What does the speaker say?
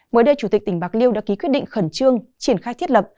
mới đây chủ tịch tỉnh bạc liêu đã ký quyết định khẩn trương triển khai thiết lập